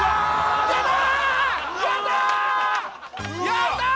やったー！